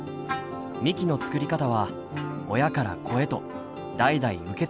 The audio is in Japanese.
みきの作り方は親から子へと代々受け継がれてきました。